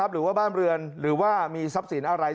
หรือว่าบ้านเรือนหรือว่ามีทรัพย์สินอะไร